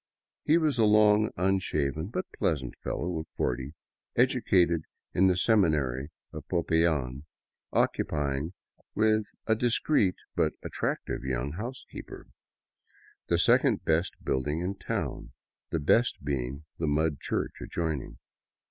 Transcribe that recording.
He was a long unshaven but pleasant fellow of forty, educated in the seminary of Popayan, occupying, with a discreet but attractive young " housekeeper," the second best building in town — the best being the mud church adjoining.